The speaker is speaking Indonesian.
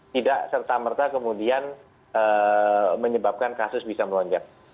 tidak serta merta kemudian menyebabkan kasus bisa melonjak